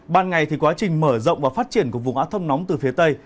ban ngày thì quá trình mở rộng và phát triển của vùng áp thấp nóng từ phía tây